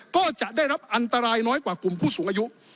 ก็จะได้รับอันตรายน้อยกว่ากลุ่มผู้สูงอายุ